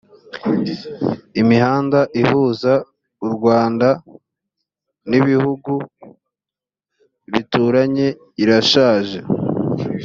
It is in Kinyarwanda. imihanda ihuza u rwanda n’ibihugu bituranye irashaje